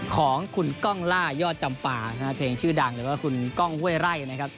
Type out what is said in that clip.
ของคุณก้องล่ายอดจำปาเพลงชื่อดังหรือว่าคุณก้องห้วยไร่นะครับ